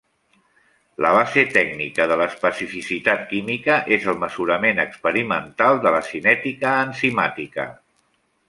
La base tècnica de l'especificitat química és el mesurament experimental de la cinètica enzimàtica.